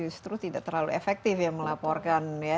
justru tidak terlalu efektif ya melaporkan ya